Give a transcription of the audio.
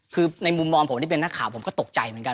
คือในมุมมองผมที่เป็นนักข่าวผมก็ตกใจเหมือนกัน